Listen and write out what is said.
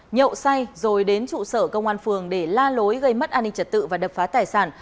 nhậu say rồi đến trụ sở công an phường để la lối gây mất an ninh trật tự và đập phá tài sản